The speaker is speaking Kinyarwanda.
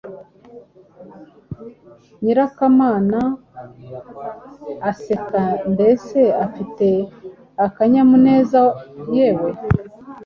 Nyirakamana: aseka, mbese afite akanyamuneza Yewe,